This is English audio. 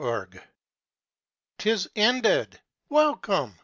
'Tis ended! Welcome!